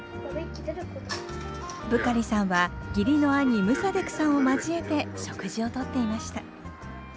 ブカリさんは義理の兄ムサデクさんを交えて食事をとっていました。